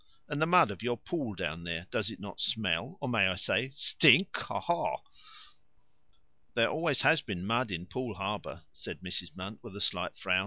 And the mud of your Pool down there does it not smell, or may I say 'stink, ha, ha'?" "There always has been mud in Poole Harbour," said Mrs. Munt, with a slight frown.